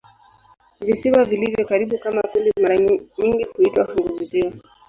Visiwa vilivyo karibu kama kundi mara nyingi huitwa "funguvisiwa".